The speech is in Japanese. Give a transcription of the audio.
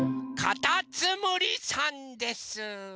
かたつむりさんです！